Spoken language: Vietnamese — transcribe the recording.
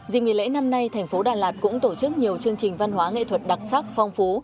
dịp nghỉ lễ năm nay thành phố đà lạt cũng tổ chức nhiều chương trình văn hóa nghệ thuật đặc sắc phong phú